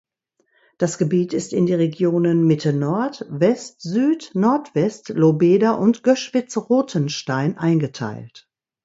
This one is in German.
Das Gebiet ist in die Regionen Mitte-Nord, West, Süd, Nord-West, Lobeda und Göschwitz-Rothenstein eingeteilt.